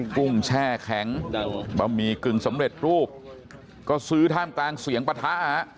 กุ้งแช่แข็งบะหมี่กึ่งสำเร็จรูปก็ซื้อท่ามกลางเสียงปะทะ